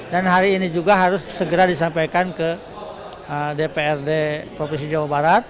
dan hari ini juga harus segera disampaikan ke dprd provinsi jawa barat